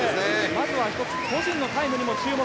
まずは個人のタイムにも注目。